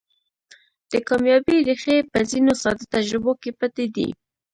د کاميابۍ ريښې په ځينو ساده تجربو کې پټې دي.